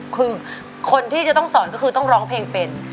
คือคนที่จะต้องสอนก็คือต้องร้องเพลงเป็น